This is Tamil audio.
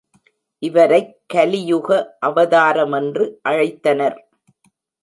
இவரைக் கலியுக அவதாரமென்று அழைத்தனர்.